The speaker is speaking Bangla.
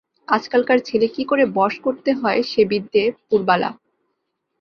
আজকালকার ছেলে কী করে বশ করতে হয় সে বিদ্যে– পুরবালা।